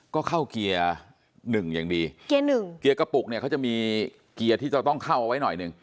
ก็เข้าเกียร์หนึ่งอย่างดีเกียร์หนึ่งเกียร์กระปุกเนี่ยเขาจะมีเกียร์ที่จะต้องเข้าเอาไว้หน่อยหนึ่ง